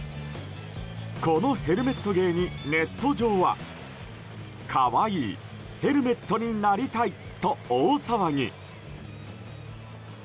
このヘルメット芸にネット上は可愛いヘルメットになりたいと大騒ぎ。